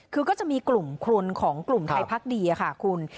คือก็จะมีกลุ่มคนของกลุ่มไทยพักดีค่ะคุณ